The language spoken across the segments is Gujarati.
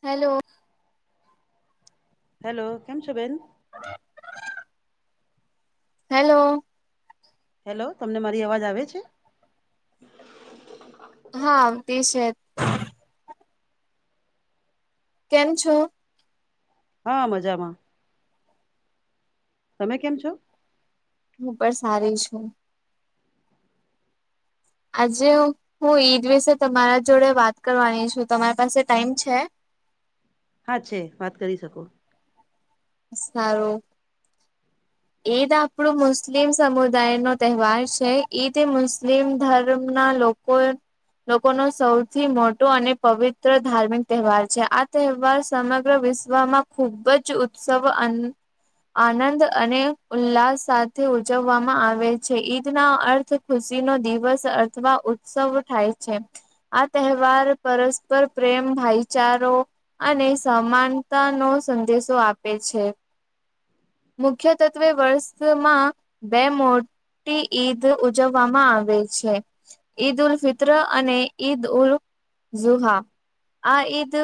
હેલો. હેલો કેમ છો બેેન? હેલો. હેલો તમને મારી અવાજ આવે છે? હા તે છે. કેમ છો? હા મજામાં. તમે કેમ છો? હું પણ સારી છું. આજે હું ઈદ વિશે તમારા જોડે વાત કરવાની છું તમારી પાસે ટાઈમ છે? હા છે વાત કરી શકો. સારું. ઈદ આપણું મુસ્લિમ સમુદાય નો તહેવાર છે. ઈદ એ મુસ્લિમ ધર્મ ના લોકો કોઈ લોકો ન સૌથી મોટો અને પવિત્ર ધાર્મિક તહેવાર છે આ તહેવાર સમગ્ર વિશ્વ વામાં ખૂબ જ ઉત્સવ આનંદ અને ઉલ્લાસ સાથે ઉજવવામાં આવે છે ઈદ ના અર્થ ખુશી નો દિવસ અથવા સવ થાય છે. આ તહેવાર પરસ્પર પ્રેમ, ભાઈચારો અને સમાનતા નો સંદેશો આપે છે મુખ્ય સવે વર્ષમાં બે મોડ ઈદ ઉજવવામાં આવે છે. ઈદ ઉલ ફિત્ર અને ઈદ ઉલ ઝુહા આ ઈદ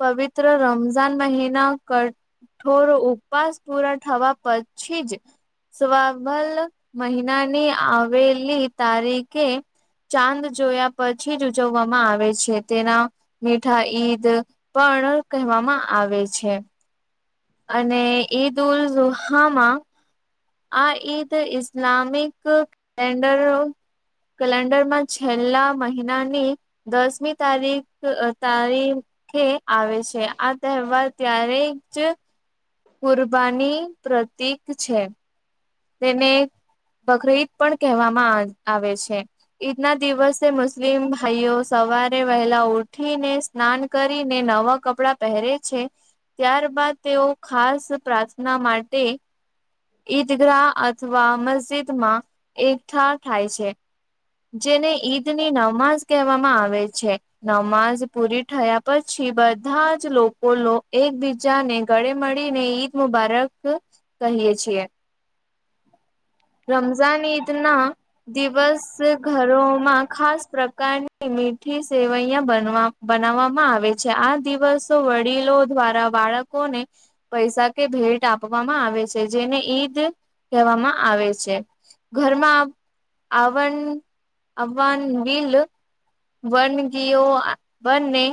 પવિત્ર રમઝાન મહિના કર. થોડો ઉપવાસ પૂરા થવા પછી જ સ્વાબલ મહિનાની આવેલી તારીખે ચાંદ જોયા પછી જ ઉજવવામાં આવે છે તેના. -, મીઠા ઈદ પણ કહેવામાં આવે છે. અને ઈદ ઉલ હામાં આ ઈદ ઇસ્લામિક કેલેન્ડર કેલેન્ડર માં છેલ્લા મહિનાની દસમી તારીખ તારીખે-' આવે છે આ તહેવાર ત્યારે જ-' કુરબાની પ્રતીક છે. તેને બકરીદ પણ કહેવામાં આવે છે. ઈદના દિવસે મુસ્લિમ ભાઈઓ સવારે વહેલા ઉઠીને સ્નાન કરીને નવા કપડાં પહેરે છે. ત્યાર બાદ તેઓ ખાસ પ્રાર્થના માટે. દીઘરા અથવા મસ્જિદમાં એકઠા થાય છે. જેને ઈદ ની નમાઝ કહેવામાં આવે છે. નમાજ પૂરી થયા પછી બધા જ લોકો એકબીજા જા ને ગળે મળી ને ઈદ મુબારક કહીયએ છીએ રમઝાન ઈદ ના દિવસ ઘરોમાં ખાસ પ્રકારની મીઠી સેવૈયા બનવા બનાવવામાં આવે છે આ દિવસ વડીલો દ્વારા બાળકોને પૈસા કે ભેટ આપવામાં આવે છે જેને ઈદ કહેવામાં આવે છે. ઘરમાં આવ આવવાન બિલ વન ગયો બંને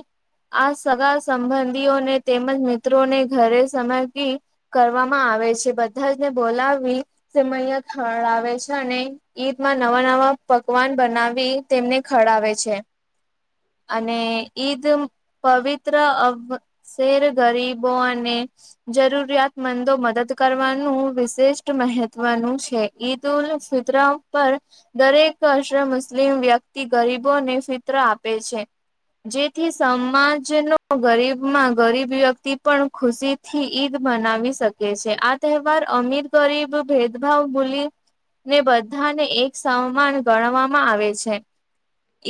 આ સગા સંબંધીઓને તેમજ મિત્રોને ઘરે સમય કી કરવામાં આવે છે. બધા જને બોલાવી તેૈયા ખળ આવે છે અને ઈદમાં નવા નવા પકવાન બનાવી તેમને ખડાવે છે. અને ઈદ પવિત્ર. શેર ગરીબો અને જરૂરિયાતમંદો મદદ કરવાનું વિશિષ્ટ મહત્વનું છે. છે ઈદ ઉલ ફિત્ર પર દરેક અશ મુસ્લિમ વ્યક્તિ ગરીબોને ફિત્ર આપે છે. જેથી સમાજનો ગરીબમાં ગરીબ વ્યક્તિ પણ ખુશી થી ઈદ મનાવી શકે છે આ તહેવાર અમીર ગરીબ ભેદભાવ ભૂલી ને બધાને એક સમાન ગણવામાં આવે છે.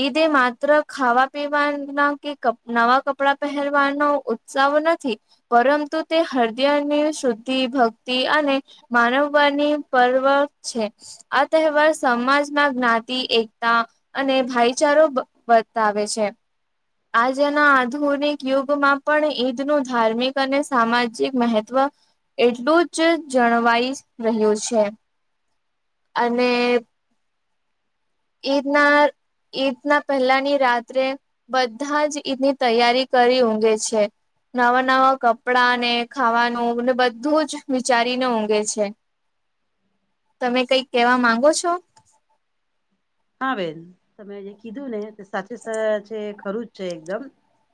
ઈદ માત્ર ખાવા પીવાના કે નવા કપડા પહેરવાનો સૌ નથી. પરંતુ તે હૃદયની શુદ્ધિ ભક્તિ અને માનવવાની પર્વ છે આ તહેવાર સમાજમાં જ્ઞાતિ એકતા અને ભાઈચારો બ બતાવે છે. આજેના આધુનિક યુગમાં પણ ઈદ નું ધાર્મિક અને સામાજિક મહત્વ એટલું જ જણવાઈ રહ્યું છે. અને એના ઈદના પહેલાની રાત્રે બધા જ ઈદની તૈયારી કરી ઊંઘે છે. નવા નવા કપડાં ને ખાવાનુંને બધું જ વિચારીને ઊંઘે છે. તમે કઈક કેવા માંગો છો? હા બેન તમે જે કીધું ને સાચ છે ખરું જ છે એકદમ.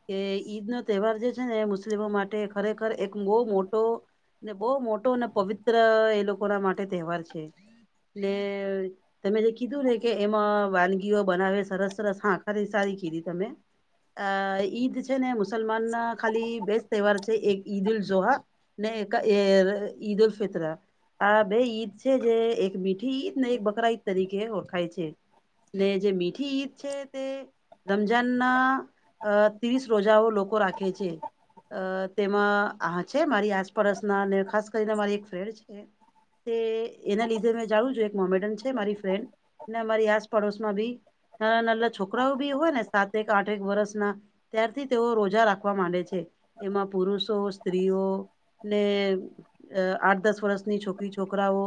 કે ઈદનો તહેવાર જે છે ને મુસ્લિમો માટે ખરેખર એક બહુ મોટો ને બહુ મોટો અને પવિત્ર એ લોકોના માટે તહેવાર છે. એટલે તમે જે કીધું રે કે એમાં વાનગીઓ બનાવે સરસ સરસ આખાની સારી કીધી તમે. અ ઈદ છે ને મુસલમાન ના ખાલી બેસ્ટ તહેવાર છે એક ઈદ ઉલ જોહા ને ઈદ ઉલ ફિત્ર આ બે ઈદ છે જે એક મીઠ મીઠી ઈદ ને એક બકરા ઈદ તરીકે ઓળખાય છે ને જે મીઠી ઈદ છે તે રમઝાનના અ ત્રીસ રોજાઓ લોકો રાખે છે. અ તેમાં આ છે મારી આસપડોસના અને ખાસ કરીને મારી એક ફ્રેન્ડ છે. તે એના લીધે મેં જાઉું છું એક મોમેન્ટન છે મારી ફ્રેન્ડ. ને અમારી આસપડોશમાં બી નાના નાલા છોકરાઓ બી હોય ને સાતક આઠેક વર્ષના ત્યારથી તેઓ રોજા રાખવા માંડે છે એમાં પુરુષો, સ્ત્રીઓ ને આઠ દસ વર્ષની છોકરી છોકરાઓ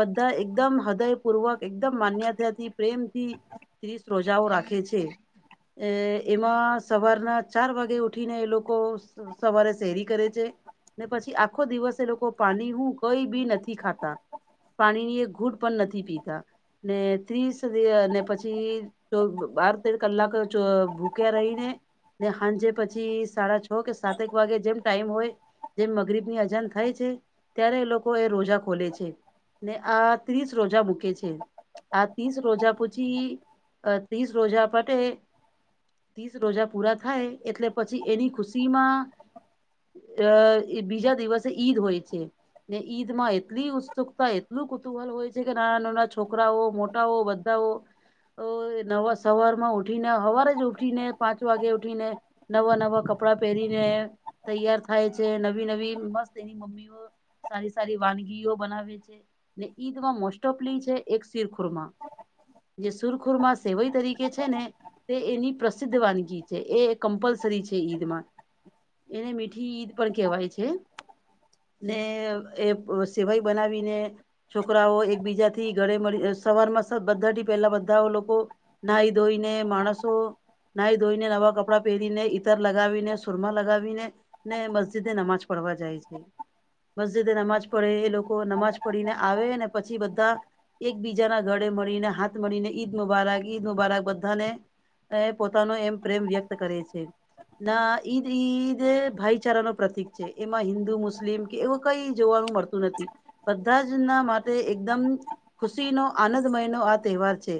બધા એકદમ હૃદયપૂર્વક એકદમ માન્યતા થી પ્રેમ થી ત્રીસ રોજાઓ રાખે છે. એ એમાં સવારના ચાર વાગે ઉઠીને એ લોકો સવારે શેરી કરે છે. ને પછી આખો દિવસે એ લોકો પાણી હું કઈ બી નથી ખાતા. પાણીની એક ઘૂટ પણ નથી પીતા ને ત્રીસ દી અને પછી ડો બાર તેર કલાક જો ભૂક્યા રહીને ને હાંજે પછી સાડા છ કે સાતેક વાગે જેમ ટાઈમ હોય જેમ મગરીબની અજાણ થાય છે ત્યારે એ લોકો એ રોજા ખોલે છે. ને આ ત્રીસ રોજા મૂકે છે. આ ત્રીસ રોજા પૂછી ત્રીસ અ રોજા પટે ત્રીસ રોજા પૂરા થાય એટલે પછી એની ખુશીમાં દ બીજા દિવસે ઈદ હોય છે. ને ઈદમાં એટલી ઉત્સુકતા એટલું કુતુહલ હોય છે કે નાના-નાના છોકરાઓ મોટાઓ બધાઓ. તો નવા સવારમાં ઉઠીને હવારે જ ઉઠી ને પાંચ વાગે ઉઠીને નવા-નવા કપડા પહેરીને તૈયાર થાય છે. નવી-નવી મસ્ત. તેની મમ્મીઓ સારી-સારી વાનગીઓ બનાવે છે ને ઈદમાં મોસ્ટ ઓફ લી જે એક શિરખુરમાં જે સુરખુરમા સેવઈ તરીકે છે ને તે એની પ્રસિદ્ધ વાનગી છે એ કમ્પલસરી છે ઈદમાં. એને મીઠી ઈદ પણ કહેવાય છે. ને એ સેવાઈ બનાવીને છોકરાઓ એકબીજા થી ગળે મળી સવારમાં બધાથી પેલા બધા લોકો નાહી ધોઈને માણસો નાઈ ધોઈને નવા કપડાં પહેરીને ઈતર લગાવીને સુરમા લગાવીને ને મસ્જિદ એ નમાજ પડવા જાય છે. મસ્જિદે નમાજ પડે એ લોકો નમાજ પડીને આવે ને પછી બધા એકબીજાના ઘળે મળીને હાથ મળીને ઈદ મુબારક ઈદ મુબારક બધાને એ પોતાનો એમ પ્રેમ વ્યક્ત કરે છે. ના ઈદી, ઈદ ભાઈચારાનો પ્રતીક છે એમાં હિન્દુ મુસ્લિમ કે એવું કઈ જોવાનું મળત નથી, બધા જ ના માટે એકદમ ખુશીનો આનંદમય નો આ તહેવાર છે.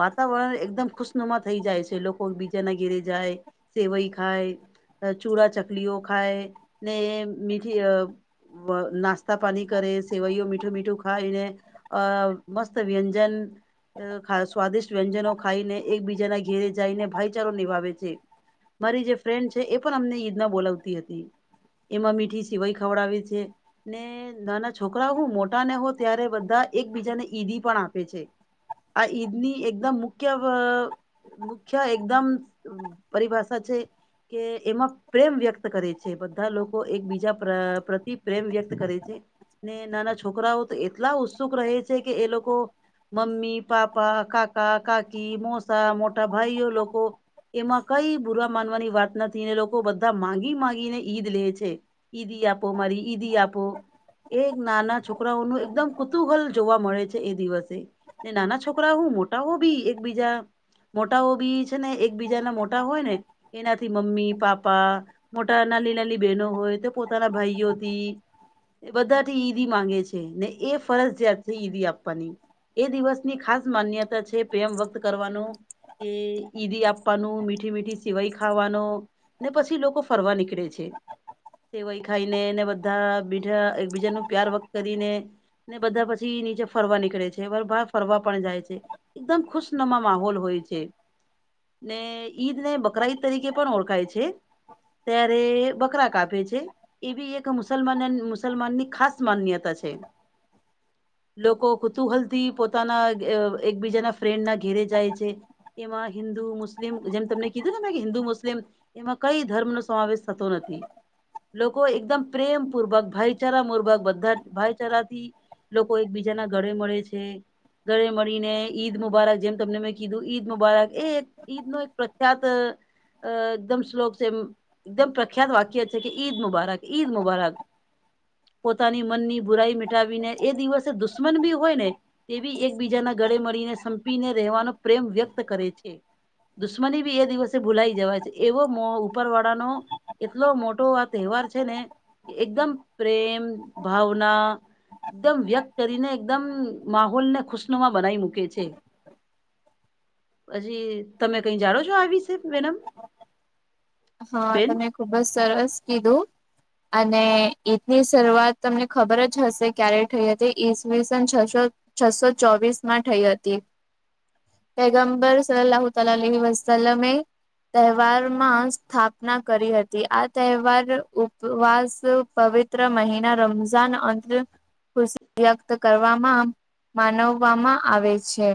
વાતાવરણ એકદમ ખુશનુમા થઈ જાય છે લોકો બીજાના ઘેરે જાય. સેવઈ ખાય ચૂડા ચકલીઓ ખાય ને મીઠી અ અ નાસ્તા પાની કરે સેવઈયો મીઠું મીઠું ખાય ને અ મસ્ત વ્યંજન સ્વાદિષ્ટ વ્યંજનો ખાઈને, એકબીજાના ઘેરે જઈને, ભાઈચારો નિભાવે છે. મારી જે ફ્રેન્ડ છે, એ પણ અમને ઈદના બોલાવતી હતી. એમાં મીઠી સેવઈ ખવડાવે છે, ને નાના છોકરા હું, મોટા ને હો ત્યારે બધા એક બીજા ને ઈદી પણ આપે છે. આ ઈદની એકદમ મુખ્ય વ, મુખ્ય એકદમ પરિભાસા છે કે એમાં પ્રેમ વ્યક્ત કરે છે, બધા લોકો એકબીજા પ્રતિ પ્રેમ વ્યક્ત કરે છે. ને નાના છોકરાઓ તો એટલા ઉત્સુક રહે છે કે, એ લોકો મમ્મી, પાપા, કાકા, કાકી, મોસા, મોટા ભાઈઓ લોકો એમાં કઈ બુરા માનવાની વાત નથી, ને લોકો બધા માંગી માંગીને ઈદ લે છે. ઈદી આપો, મારી ઈદી આપો, એક નાના છોકરાઓનું એકદમ કુતુહલ જોવા મળે છે એ દિવસે, નાના છોકરા હું, મોટા હો ભી એકબીજા મોટાઓ બી છે ને એકબીજાના મોટા હોય ને, એનાથી મમ્મી, પાપા, મોટા, નાનીનાની બહેનો હોય તો પોતાના ભાઈઓથી એ બધાથી ઈદી માંગે છે ને એ ફરજિયાત થી ઈદી આપવાની. એ દિવસની ખાસ માન્યતા છે, પ્રેમ વક્ત કરવાનો ઈ, ઈદી આપવાનું, મીઠીમીઠી સેવઈ ખાવાનો ને પછી લોકો ફરવા નીકળે છે. સેવઈ ખાઈ ને, ને બધા મીઠા એકબીજા નો પ્યાર વક્ત કરીને ને, બધા પછી સી નીચે ફરવા નીકરે છે, બ બહાર ફરવા પણ જાય છે. એકદમ ખુશનમા માહોલ હોય છે. ને ઈદને, બકરાઈદ તરીકે પણ ઓળખાય છે, ત્યારે બકરા કાપે છે, એ બી એક મુસલમાનને, મુસલમાનની ખાસ માન્યતા છે લોકો કુતુહલથી પોતાના, અ, એકબીજાના ફ્રેન્ડ ના ઘેરે જાય છે એમાં હિન્દુ મુસ્લિમ, જેમ તમને કીધું ને મે કે હિન્દુ મુસ્લિમ એમાં કઈ ધર્મનો સમાવેસ થતો નથી. લોકો એકદમ પ્રેમપૂર્વક, ભાઈચારા મુર્બક, બધા જ ભાઈચારાથી લોકો એકબીજાના ગળે મળે છે, ગળે મળીને, ઈદ મુબારક, જેમ તમને મેં કીધું, ઈદ મુબારક એ એક ઈદનો એક પ્રખ્યાત, એકદમ શ્લોક છે. એકદમ પ્રખ્યાત વાક્ય છે કે, ઈદ મુબારક, ઈદ મુબારક! પોતાની મનની બુરાઈ મટાવીને, એ દિવસે દુસ્મન બી હોય ને, એ બી એકબીજાના ગળે મળીને, સંપીને રહેવાનો, પ્રેમ વ્યક્ત કરે છે દુશ્મની બી એ દિવસે ભૂલાઈ જવાય છે, એવો મોહ ઉપરવાળાનો એટલો મોટો આ તહેવાર છે ને, એકદમ પ્રેમ, ભાવના એકદમ વ્યક્ત કરીને, એકદમ માહોલને ખુશનુમા બનાવી મૂકે છે. હજી તમે કઈ જાણો છો? આ વીશે? મેડમ હા, બેન તમે ખુબ જ સરસ કીધું. અને ઈદ ની સરૂઆત તમને ખબર જ હસે, ક્યારે થઈ હતી? ઈસ વિસન છસો છસો ચોવીસમાં થઈ હતી. પયગમ્બર સલાહુતલાલીવત્સલમે તહેવારમાં સ્થાપના કરી હતી, આ તહેવાર ઉપવાસ, પવિત્ર મહિના રમઝા ઝાન અંત ખુશ વ્યક્ત કરવામાં, માનવવામાં આવે છે.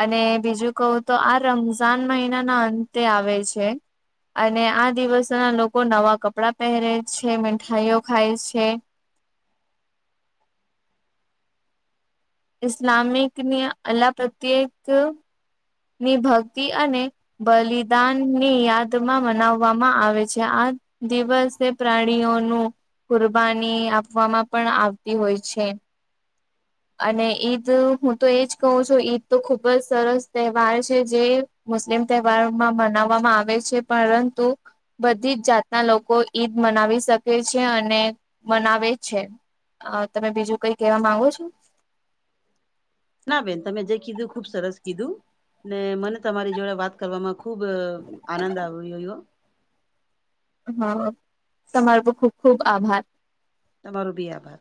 અને બીજું કહું તો આ રમઝાન મહિનાના અંતે આવે છે. અને આ દિવસોના લોકો નવા કપડાં પહેરે છે, મીઠાઈઓ ખાય છે ઇસ્લામિકની અલ્લા પ્રત્યેક. ની ભક્તિ અને બલિદાન ની યાદમાં મનાવવામાં આવે છે આ. દિવસે પ્રાણીઓનું. કુરબાની આપવામાં પણ આવતી હોય છે. અને ઈદ હું તો એજ કહું છું ઈદ તો ખુબ જ સરસ. તહેવાર છે જે મુસ્લિમ તહેવારોમાં મનાવવામાં આવે છે પરંતુ બધી જ જાતના લોકો ઈદ મનાવી શકે છે અને મનાવે છે. અ તમે બીજું કઈ કેવા માંગો છો. ના બેન તમે જે કીધું ખુબ સરસ કીધું ને મને તમારી જોડે વાત. કરવામાં ખૂબ આનંદ આવ વવયો. હા તમારુ ખૂબ ખૂબ આભાર. તમારો બી આભાર.